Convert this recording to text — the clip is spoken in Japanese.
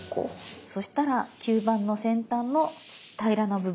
そしたら吸盤の先端の平らな部分。